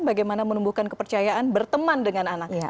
bagaimana menumbuhkan kepercayaan berteman dengan anak